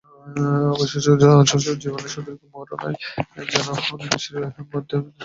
অবশিষ্ট জীবনের সুদীর্ঘ মরুময় পথ যেন নিমেষের মধ্যে বিদ্যুদালোকে তাঁহার চক্ষুতারকায় অঙ্কিত হইল।